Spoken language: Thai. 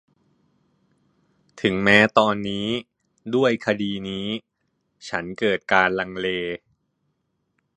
ถึงแม้ตอนนี้ ด้วยคดีนี้ ฉันเกิดการลังเล